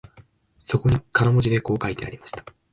そこに金文字でこう書いてありました